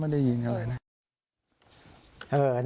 ไม่ได้ยินเลยไม่ได้ยินอะไรนะ